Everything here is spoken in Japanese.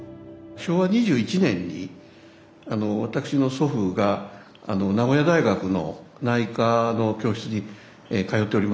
昭和２１年に私の祖父が名古屋大学の内科の教室に通っておりまして。